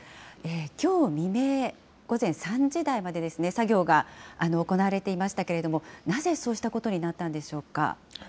きょう未明、午前３時台までですね、作業が行われていましたけれども、なぜそうしたことになったんでしょうか。